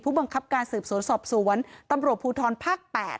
บังคับการสืบสวนสอบสวนตำรวจภูทรภาค๘